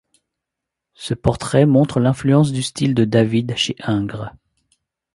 Ce portrait montre l'influence du style de David chez Ingres.